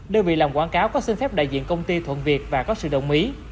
đơn vị làm quảng cáo có xin phép đại diện công ty thuận việc và có sự đồng ý